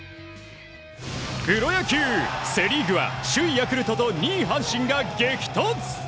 プロ野球、セ・リーグは首位ヤクルトと２位、阪神が激突。